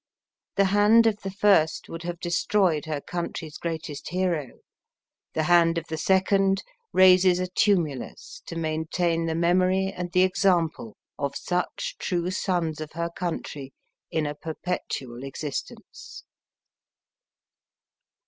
The hand of the first would have destroyed her country's greatest hero; the hand of the second raised a tumulus, to maintain the memory and the example of such true sons of her country in a perpetual existence.